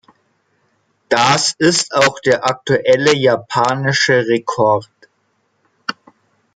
Das ist auch der aktuelle japanische Rekord.